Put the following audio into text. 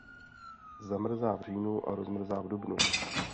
Zamrzá v říjnu a rozmrzá v dubnu.